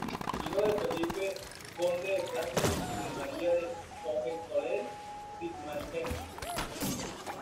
Hijo de Felipe, conde de Flandes y de María de Hohenzollern-Sigmaringen.